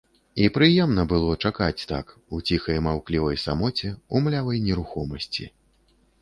І прыемна было чакаць так, у ціхай маўклівай самоце, у млявай нерухомасці.